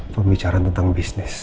pembicaraan tentang bisnis